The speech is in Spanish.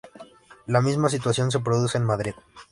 La misma situación se produce en Madrid.